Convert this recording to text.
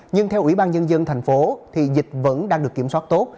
nhưng theo ủy ban nhân dân thành phố thì dịch vẫn đang được kiểm soát tốt